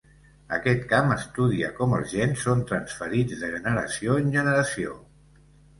Aquest camp estudia com els gens són transferits de generació en generació.